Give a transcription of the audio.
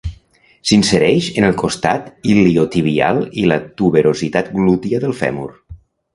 S'insereix en el costat iliotibial i la tuberositat glútia del fèmur.